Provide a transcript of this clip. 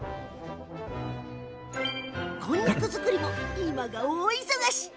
こんにゃく作りも、今が大忙し。